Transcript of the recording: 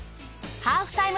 ハーフタイム